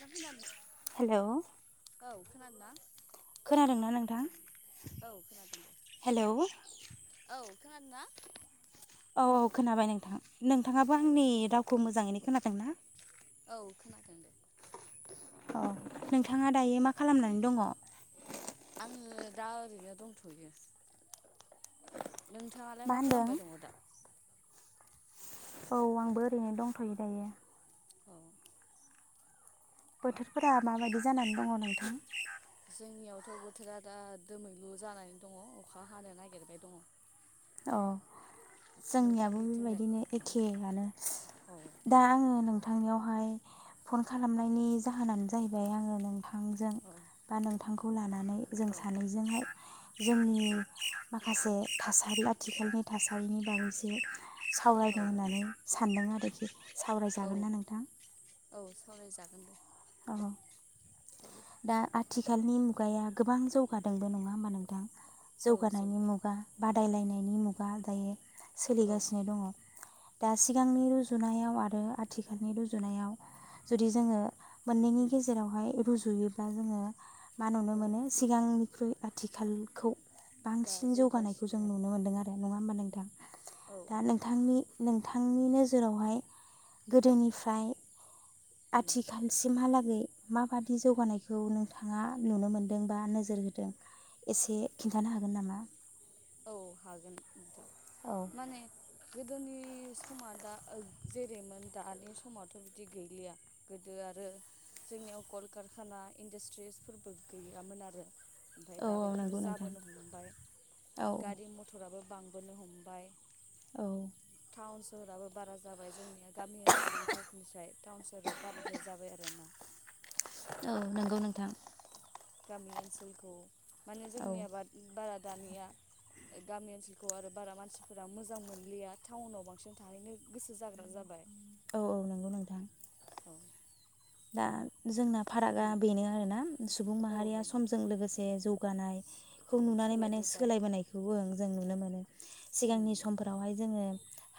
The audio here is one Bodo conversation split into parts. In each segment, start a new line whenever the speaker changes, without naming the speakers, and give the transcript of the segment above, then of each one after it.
नोंथांङा
हेलौ
खोनादोंना औ खोनादोंना ना?
खोनादोंना नोंथां
औ खोनादों दे
हेलौ
औ खोनादों ना?
औ औ खोनाबाय नोंथां। नोंथाङाबो
औ
आंनि रावखौ मोजाङैनो खोनादोंना?
औ खोनादों दे।
औ नोंथाङा दायो मा खालामनानै दङ?
आङो दा ओरैनो दंथ'यो। नोंथाङालाय मा
होनदों
खालामबाय दङ दा?
औ आंबो ओरैनो दंथ'यो दायो।
औ
बोथोरफोरा माबायदि जानानै दङ नोंथां?
जोंनियावथ' बोथोरा दा दोमैलु जानानै दङ अखा हानो नागिरबाय दङ।
अ जोंनियाबो
नोंथांनिथिंलाय
बेबायदिनो एखेयानो
औ
दा आङो नों थांनियावहाय फन खालामनायनि जाहोनानो जाहैबाय आङो नों थांजों
औ
बा नोंथां खौ लाना नै जों
औ
सानैजोंहाय जोंनि माखासे थासारिया आथिखालनि थासारिनि बायैसो
औ
सावरायनो होननानै सानदों आरो।
औ
सावरायजागोन ना नोंथां?
औ सावरायजागोन दे।
औ
सावराय
दा आथ आथिखालनि मुगाया गोबां जौगादों बे नङा होमबा नोंथां?
औ
जौगानायनि
जौगा
मुगा बादायलायनायनि मुगा दायो
औ
सोलिगासिनो दङ। दा सिगांनि रुजुनायाव आरो आथिखालनि रुजुनायाव जुदि जोंङो मोननैनि
उम
गेजेरावहाय रुजु जुयोबा जोंङो मा नुनो
औ
मोनो सिगांनिख्रुइ आथिखालखौ
दा
बांसिन जौगानायखौ
जौगासिनो
जों
आरो
नुनो मोनदों आरो नङा होमबा नों दां
औ
दा
औ
नोंथांनि नोंथांनि नोजोरावहाय गोदोनिफ्राय
उम
आथिखालसिमहालाग माबादि जौगानायखौ नोंथाङा नुनो मोन्दों बा नोजोर होदों एसे खिन्थानो हागोन नामा?
औ हागोन नोंथां
औ
माने गोदोनि समा दा ओ जेरैमोन दानि समावथ' बिदि गैलिया गोदो आरो जोंनियाव कलकारखाना इन्डास्ट्रिसफोरबो गैयामोन आरो ओमफ्राय
औ
दा बेफोरो
नंगौ नोंथां
जाबोनो हमबाय
औ
गारि मथर फ्राबो बांबोनो हमबाय
औ
टाउन सहराबो बारा जाबाय जोंनिया गामि ओनसोलफोरनिफ्राय टाउन सहोराव बाराद्राय जाबाय आरोना
औ नंगौ नोंथां
गामि ओनसोलखौ माने
औ
जोंनिआ बाद बारा दानिया गामि ओनसोलखौ आरो बारा मानसिफोरा मोजां मोनलिया टाउनाव बांसिन थाहैनो गोसो जाग्रा जाबाय
औ औ नंगौ नोंथां
औ
दा जोंना फारागा
उम
बेनो आरोना सुबुं
औ
माहारिया
बेनो
समजों लोगोसे जौगानायखौ
औ
नुनानै माने
सोलायबोबाय
सोलायबोनायखौबो जों नुनो मोनो
उम
सिगांनि समफोरावहाय जोंङो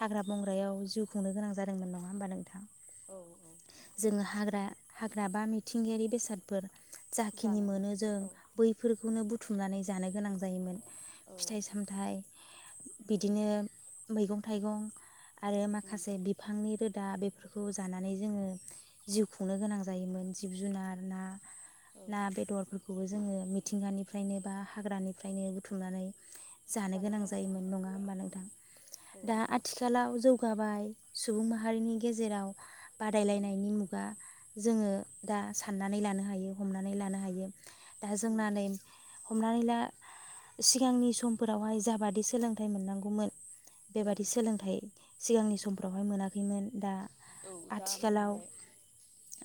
हाग्रा बंग्रायाव जिउ खुंनो गोनां जादोंमोन नङा होमबा नोंथां?
औ औ
जोङो हाग्रा हाग्रा बा मिथिंगायारि बेसादफोर जाखिनि
जानानै
मोनो जों
औ
बैफोरखौनो बुथ बुथुमनानै जानो गोनां जायोमोन।
औ
फिथाइ सामथाइ
औ
बिदिनो मैगं
बे
थाइगं आरो
उम
माखासे बिफांनि रोद दा बेफोरखौ जानानै जोङो जिउखु खुंनो गोनां जायोमोन जिब जुनार ना
औ
ना बेदरफोर खौबो जोङो मिथिंगानिफ्रायनो बा हाग्रानिफ्रायनो बुथुमनानै जानो गोनां जायोमोन नङा होमबा नोंथां
औ
दा
नों
आथिखालाव जौगाबाय सुबुं माहारिनि गेजेराव बादायलायनायनि
उम
मुगा जोङो दा साननानै लानो हायो हमनानै लानो हायो दा
उम
जोंनानै हमनानै ला सिगांनि समफोरावहाय जाबादि सोलोंथाइ मोननांगौमोन
औ
बेबादि सोलोंथाइ सिगांनि समफ्रावहाय मोनाखैमोन दा
औ दा
आथिखालाव
मोनबाय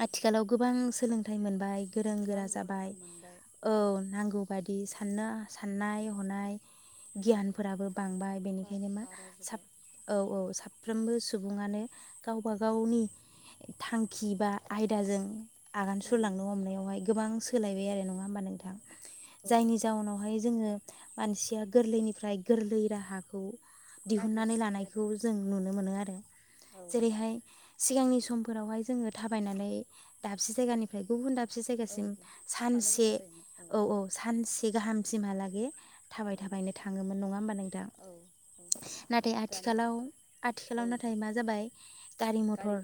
आथिखालाव गोबां सोलोंथाइ मोन बाय गोरों गोरा
नांगौ
जाबाय
रोखोम मोनबाय
औ नांगौ बादि साननो साननाय हनाय
औ
गियानफोराबो बांबाय
बा
बेनिखायनो मा
बारा
साब
जाबाय
औ औ साब साफ्रोमबो सुबुङानो गावबा गावनि थां खिबा आयदाजों आगान
उम
सुरलांनो हमनायावहाय गोबां सोलायबाय आरो नङा होमबा नोंथां
औ
जायनि जाउनावहाय जोङो मानसिया गोरलैनिफ्राय गोरलै राहाखौ दिहुननानै
नागिरसै
लानायखौ
आरो
जों नुनो मोनो आरो रो
औ
जेरैहाय सिगांनि स समफोरावहाय जोङो थाबायनानै दाबसे जायगानिफ्राय गुबुन दाब से
औ
जायगासिम
थांनो
सानसे
गोनां जायोमोन
औ औ सानसे गाहाम सिम हा लागै थाबाय
औ
थाबायनो थाङोमोन नङा होमबा नोंथां
औ औ
नाथाय
दानि
आथिखालाव आथिखालाव
औ
नाथाय मा जाबाय गारि मथर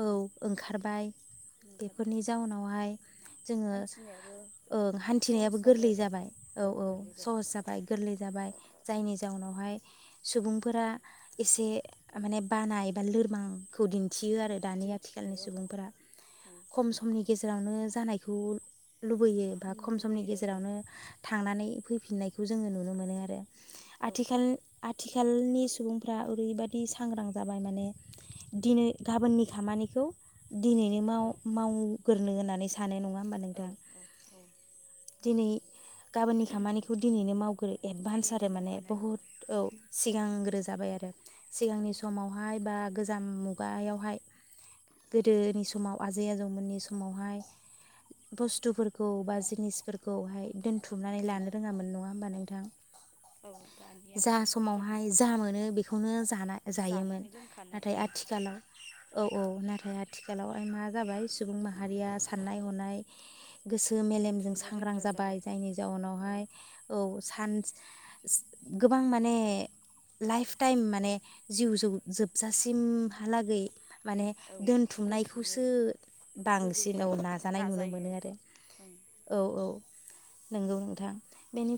औ ओंखारबाय बेफोरनि
ओंखारबाय
जाउनावहाय जोङो
हान्थिनायाबो
ओ हान्थिनायाबो
सहस
गोरलै
आरो
जाबाय औ औ सहस जाबाय गोरलै जाबाय जायनि जाउनावहाय सुबुंफोरा एसे माने बानाय एबा लोरबांखौ दिन थियो आरो दानिया दानि
दिन्थियो औ
सुबुंफोरा
औ
खम समनि गेजेराव जेरावनो जानायखौ लुबैयो बा खम समनि
लुबैयो औ
गेजेरावनो थांनानै फै फिननायखौ जोङो नुनो मोनो आरो
औ
आथिखाल आथिखालनि सुबुंफ्रा ओरैबायदि सांग्रां जाबाय माने दिनै गाबोननि खामानि खौ दिनैनो माव
औ
-माव गोरो होननानै सानाय नङा [unintelligible] होमबा
औ
नोंथां
औ औ
दिनै गाबोननि खामानिखौ दिनैनो मावग्रो एडभान्स
दिनैनो
आरो माने
मावखानाय
बहुद औ सिगांग्रो जाबाय आरो
औ
सिगांनि समावहाय बा गोदान मुगायावहाय गोदोनि समाव आजै -आजौमोननि समावहाय बुस्थुफोरखौ खौ बा
उम
जिनिसफोरखौहाय दोनथुमनानै
उम
लानो रोङामोन नङा होनोमबा नों दां
औ दानिया
जा
आरो
समावहाय
जोंबो
जा मोनो बेखौनो जा जायोमोन
जानाय लोंखानाय
नाथाय
औ
आथिखालाव औ औ ना ओमफ्राय आथिखालाव मा जाबाय सुबुं माहारिया साननाय- हनाय गोसो मेलेमजों
दोनथुमनो
सांग्रां
रोंग्रा
जाबाय जायनि
औ
जाउनावहाय औ सान गोबां माने लाइफ टाइम माने जिउ जोबजासिमहालागै
औ दोनथुमनो
दोनथुमनायखौसो बांसिन
लुबैयो
औ
आरो
नाजानाय नुनो
नाजायो
मोनो आरो
ओं
औ -औ नंगौ नोंथां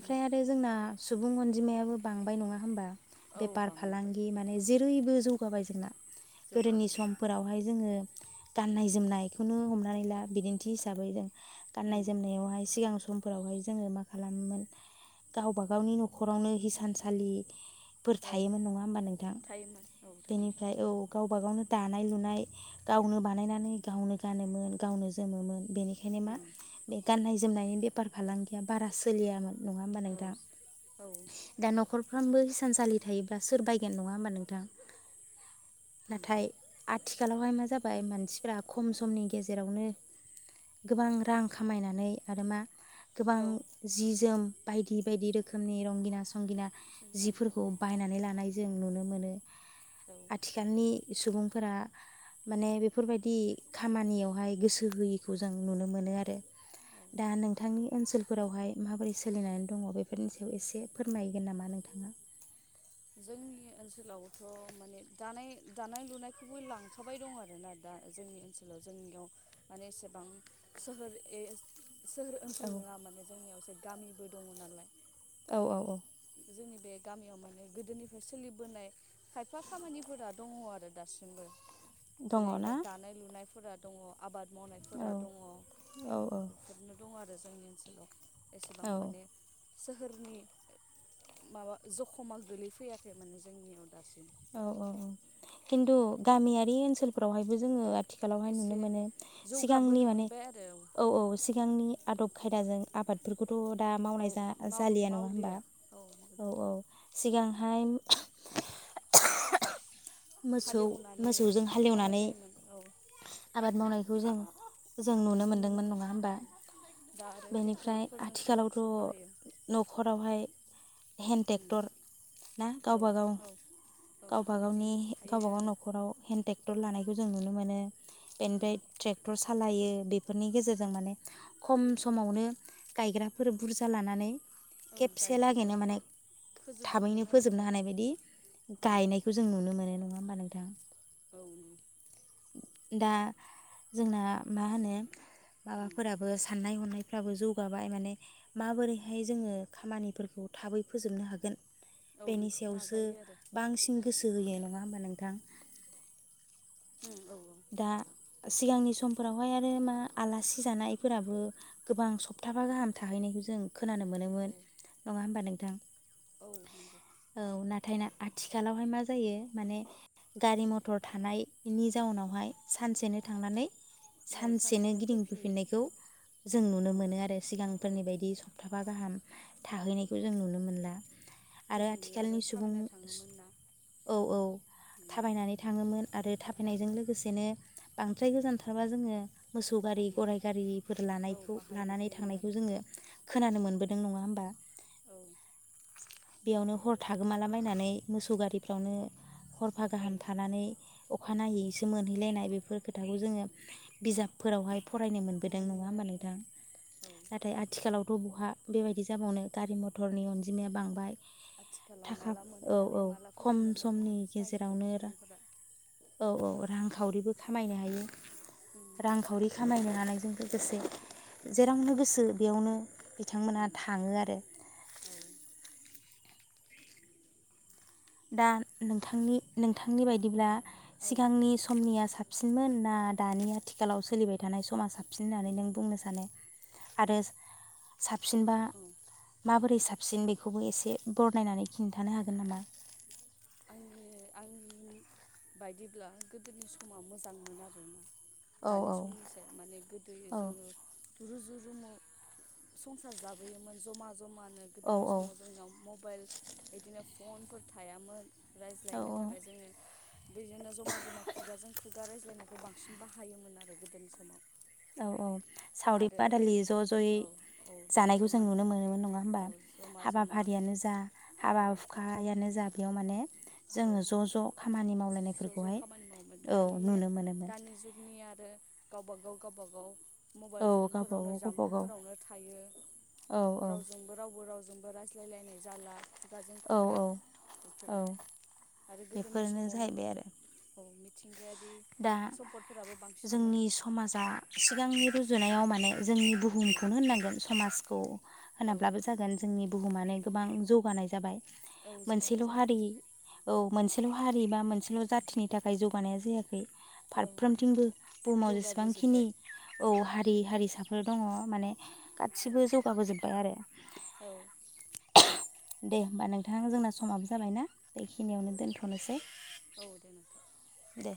उम
आरो जोंना सुबुं अनजिमायाबो बांबाय नङा होमबा
औ
बेफार
बांबोबाय
-फालांगि माने जेरैबो जौ जौगाबाय जोंना गोदोनि
जौगाबाय ओं
समफोरावहाय जोङो गाननाय -जोमनायखौनो हमनानै ला बिदिन्थि हिसाबै जों गाननाय
उम
-जोमनायावहाय सिगां समफोरावहाय जोङो मा खालामोमोन गावबा -गावनि न'खरावनो हिसानसालि
औ
थायोमोन नङा होमबा नोंथां
थायोमोन औ थायोमोन
बेनिफ्राय औ गावब गावनो दानाय- लुनाय गावनो बानायनानै गावनो गानोमोन गावनो जोमोमोन बेनिखायनो मा
उम
बे गाननाय बेफार फालांगिया बारा सोलियामोन नङा होमबा
औ
नोंथां
औ
दा न'खर साफ्रोमबो हिसानसालि थायोब्ला सोर बायगोन नङा होमबा नोंथां
उम
नाथाय आ- आथिखालावहाय मा जाबाय मानसिफ्रा खम समनि गेजेरावनो गोबां रां खामायनानै आरो मा गोबां
औ
जि जोम बायदि बायदि रोखोमनि रंगिना संगिना
जों दा औ
जिफोरखौ बायनानै लानाय जों नुनो मोनो
औ
आथिखालनि सुबुंफोरा माने बेफोरबायदि खामानियावहाय गोसो होयिखौ जों नुनो मोनो आरो
औ
दा नोंथांनि ओनसोलफोरावहाय माबोरै सोलिनानै दङ बेफोरनि सायाव एसे फोरमायगोन नामा नोंथाङा
जोंनि ओनसोलावथ' माने दानाय दानाय लुनायखौबो लांफाबाय दं आरोना दा जोंनि ओनसोलाव जोंनियाव माने एसेबां सोहोर सोहोर
औ
ओनसोल नङा माने जोंनियाव गामिबो दङ नालाय।
औ औ औ।
जोंनि बे गामियाव माने गोदोनिफ्राय सोलिबोनाय खायफा खामानिफोरा दङ आरो दासिमबो
दङ
जेरैनो
ना
दानाय लुनायफोरा। दङ आबाद
औ
मावनायफोरा दङ
औ
बेफोरनो दं आरो। आरो जोंनि ओनसोलाव एसेबां
औ
माने सोहोरनि माबा जखमा। गोलै फैयाखै माने जोंनियाव दासिम।
औ औ औ किन्थु गामियारि ओनसोलफोरावहायबो जोङो आथिखालावहाय नुनो
एसे
मोनो सिगांनि
जौगाबोनो
माने
मोनबाय आरो
औ औ सिगांनि आदब। खायदाजों आबादफोरखौ। थ' दा
औ
मावनाय
माव
जालिया नङा हबा
मावलिया
औ औ। सिगांहाय मोसौ
हालेवनानै
मोसौजों
मावनाय
हालेवनानै
जायोमोन औ
आबाद मावनाय। बेखौ [unintelligible] जों नुनो मोनदोंमोन
मोनो
नङा होमबा
औ दा आरो
बेनिफ्राय
ट्रेक्टरफोरजोंसो बांसिन
आथिखालावथ'
बाहायो
न'खरावहाय। हेन्द
उम
ट्रेक्टर ना
औ
गावब गाव
औ औ
गावबा
बिदि
गावनि।
थायो
गावबा
आरो
गाव [unintelligible] थानायखौ जों नुनो मोनो।
उम
बेनिफ्राय ट्रेक्टर सालायो। बेफोरनि गेजेरजों माने खम समावनो गायग्राफोर बुरजा लानानै
औ
खेबसे
गायजोबो
लागैनो माने
फोजोबजोबनो
थाबैनो
नागिरो
फोजोबनो
आरो
हानाय बायदि
उम
गायनायखौ जों नुनो मोनो न। नंङा होमबा नोंथां।
औ।
दा जोंना मा होनो माबाफोराबो साननाय हनाय। फ्राबो जौगाबाय माने माबोरैहाय जोंङो खामानिफोरखौ थाबै फोजोबनो हागोन।
औ
बेनि
बेखौ
सायावसो
नाजायो आरो
बांसिन गोसो होयो नंङा होनबा नोंथां।
उम औ
दा। सिगांनि समफोरावहाय आरो मा आलासि जानायफोराबो गोबां सप्ताबा गाहाम थाहैनायखौ जों खोनानो मोनोमोन नंङा होमबा नों?
औ नंगौ
[inaudible] औ नाथायना आथिखालावहाय मा जायो माने गारि मथर थानायनि जाउनावहाय सानसेनो थांनानै।
औ
सानसेनो
फैफिनो
गिदिंबोफिननायखौ जों नुनो
औ
मोनो आरो
औ
सिगांफोरनि बायदि सप्ताफा गाहाम। थाहैनायखौ जों नुनो मोनला। आरो
गोदोनि आरो
आथिखालनि सुबुं
थाबायना थाङोमोन ना
औ औ।
उम
थाबायनानै थाङोमोन आरो थाबायनायजों लोगोसेनो बांद्राय गोजानथारबा जोंङो। मोसौ गारि
उम
गराय गारिफोर
औ
लानायखौ
बाहायनाय
लानानै
जायोमोन
थांनायखौ
आरो
जोंङो खोनानो मोनबोदों। नों नंङा होनबा?
औ [inaudible]
बेयावनो हर थागोमाला बायनानै मोसौ गारिफ्रावनो। हरफा
औ
गाहाम थानानै अखानायैसो मोनहैलायनाय बेफोर खोथाखौ जोंङो। बिजाबफोरावहाय फरायनो मोनबोदों
मोनो
नंङा होमबा
आरो
नोंथां
औ औ
नाथाय आथिखालाव थथ' बहा बेबायदि जाबावनो गारि मथरनि अनजिमाया बांबाय।
आथिखालाव
थाखा
माला
औ औ
मोनहैनानै माला
खम
फैफिननो मोनगोन
समनि
बेखौसो [inaudible]
गेजेरावनो
सुबुंफोरा
औ औ। रांखावरिबो खामायनो हायो।
उम
रांखावरि खामायनो नायजों लोगोसे जेरावनो गोसो बेयावनो बिथांमोनहा
उम
थांङो आरो। दा नोंथांनि नोंथांनि बायदिब्ला
औ
सिगांनि समनिया साख सिनमोन ना दानि आथिखालाव सोलिबाय थानाय समा साबसिन होननानै नों बुंनो सानो? आरोस सा सिनबा
औ
माबोरै सा सिन बेखौबो एसे बरनायनानै खिन्थानो हागोन नामा?
आंनि आंनि बायदिब्ला गोदोनि समा मोजांमोन आरोना
औ
दानि समनिसाय माने गोदोयो
औ
जोङो रुजु रुमु संसार जाबोयोमोन जमा जमानो
औ
गोदोनि समाव जोंनाव मबाइल इदिनो फ फनफोर थायामोन।
औ
रायज्लायनो थाखाय जोङो बिदिनो जमा जमा खुगाजों खुगा रायज्लायनायखौ बांसिन बाहायोमोन आरो गोदोनि समाव।
औ औ सावरि
आरो
बादालि ज' ज'यै
औ औ
जानायखौ जों
बेफोरोमोन
नुनो मोनोमोन नङा होमबा
औ जमा जमा
हाबाफारियानो जा
औ
हाबा हुखायानो जा बेयाव माने जोङो
औ
ज' ज' खामानि
ज' ज'
मावलायनायफोरखौहाय
खामानि मावोमोन
औ नुनो मोनोमोन।
हो गावबा गाव गावबा गाव
औ
मबाइल फनफोरावनो
गावबागाव गावबागाव
जामबुंफोरावनो थायो
औ
रावजोंबो रावबो रावजोंबो रायज्लायलायनाय जाला खुगाजों
औ
खुगा
औ
बेफोरो
औ
आरो गोदोनि
बेफोरनो
समम
जाहैबाय आरो
औ मिथ
दा
बांसिनमोन
जोंनि समाजा सिगां आंनि रुजुनायाव माने जोंनि
औ
बुहुमखौनो होननांगोन समाज औ अ
औ
होनाब्लाबो जागोन जोंनि बुहुमा ने गोबां जौगानाय जाबाय।
औ जौगानाय
मोनसेल'
जाबाय
हारि औ मोनसेल' हारि बा मोनसेल' जाथिनि थाख खाय जौगानाया जायाख खै
औ
फारफ्रोमथिंबो बुहुमाव जेसेबांखिनि
जौगाबोजोब्बाय
औ
उम
हारि हारिसाफोर दङ माने गासिबो जौगाबोजोबबाय आरो
औ
दे होमबा नोंथां जोंना समाबो जाबायना बेखिनियावनो दोनथ'नोसै।
औ दे नोंथां
दे